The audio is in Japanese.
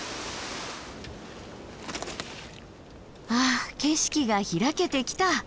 あっ景色が開けてきた！